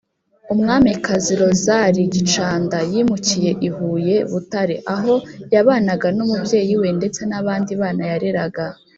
Umwamikazi Rosalie Gicanda yimukiye I Huye(Butare),aho yabanaga n’umubyeyi we ndetse n’abandi bana yareraga.